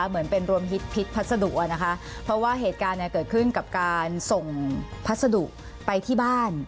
เหมือนเป็นรวมฮิตพิษพัสดุอ่ะนะคะเพราะว่าเหตุการณ์เนี่ยเกิดขึ้นกับการส่งพัสดุไปที่บ้าน